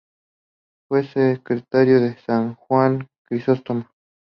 Fue secretario de San Juan Crisóstomo.